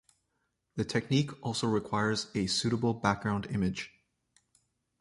The technique also requires a suitable background image.